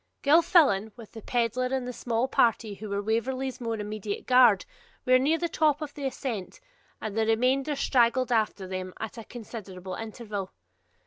Gilfillan, with the pedlar and the small party who were Waverley's more immediate guard, were near the top of the ascent, and the remainder straggled after them at a considerable interval.